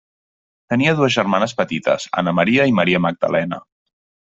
Tenia dues germanes petites, Anna Maria i Maria Magdalena.